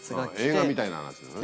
映画みたいな話ですね。